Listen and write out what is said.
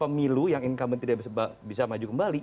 pemilu yang incumbent tidak bisa maju kembali